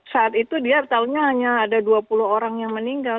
saat itu dia tahunya hanya ada dua puluh orang yang meninggal